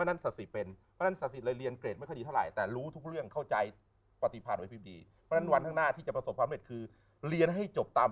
แล้วไปทำธุรกิจย้ำไปเอง